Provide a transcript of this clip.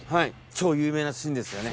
超有名なシーンですよね。